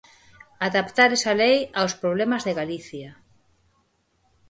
Adaptar esa lei aos problemas de Galicia.